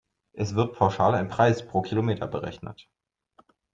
Es wird pauschal ein Preis pro Kilometer berechnet.